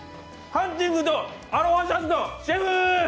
ハンチングとアロハシャツのシェフ！